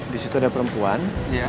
di situ ada perempuan